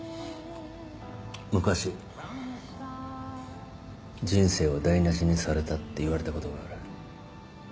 昔人生を台無しにされたって言われたことがある。